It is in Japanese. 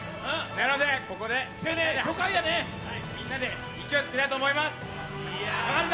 なので、ここで、みんなで勢いつけたいと思います！